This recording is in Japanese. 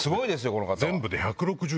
この方は。